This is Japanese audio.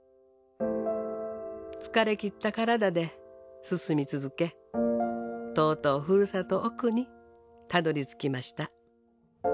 疲れきった体で進み続けとうとうふるさと奥にたどりつきました。